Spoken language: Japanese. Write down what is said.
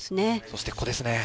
そしてここですね。